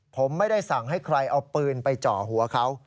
ผมไม่ได้สั่งให้ใครเอาปืนไปเจาะหัวเขา